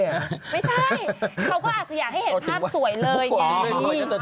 ไม่ใช่เขาก็อาจจะอยากให้เห็นภาพสวยเลยไง